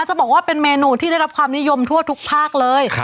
จะบอกว่าเป็นเมนูที่ได้รับความนิยมทั่วทุกภาคเลย